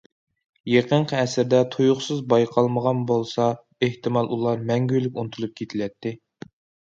يېقىنقى ئەسىردە تۇيۇقسىز بايقالمىغان بولسا، ئېھتىمال ئۇلار مەڭگۈلۈك ئۇنتۇلۇپ كېتىلەتتى.